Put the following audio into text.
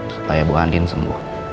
supaya bu andin sembuh